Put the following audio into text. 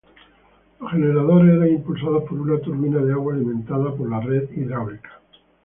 Los generadores eran impulsados por una turbina de agua alimentada por la red hidráulica.